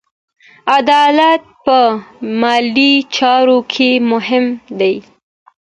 عدالت په مالي چارو کې مهم دی.